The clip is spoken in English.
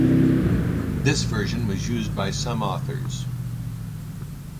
This version was used by some authors.